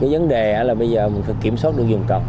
vấn đề là bây giờ mình phải kiểm soát được dùng cọc